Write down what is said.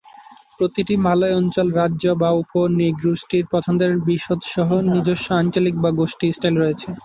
প্রতিটি মালয় অঞ্চল, রাজ্য বা উপ-নৃগোষ্ঠীর পছন্দের বিশদ সহ নিজস্ব আঞ্চলিক বা গোষ্ঠী স্টাইল রয়েছে।